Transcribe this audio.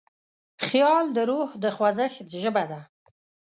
خیال د روح د خوځښت ژبه ده.